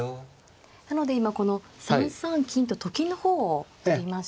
なので今この３三金とと金の方を取りました。